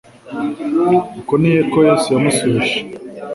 Uko niko Yesu yamubajije.